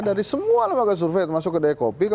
dari semua lembaga survei yang masuk ke daya kopi